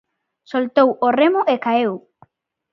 Soltou o remo e caeu.